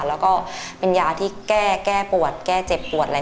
แล้วก็เป็นยาที่แก้ปวดแก้เจ็บปวดอะไร